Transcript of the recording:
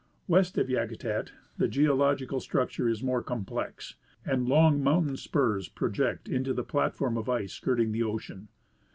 West of Yakutat the geological structure is more complex, and long mountain spurs project into the platform of ice skirting the ocean.